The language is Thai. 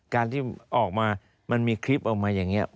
การที่ออกมามันมีคลิปออกมาอย่างนี้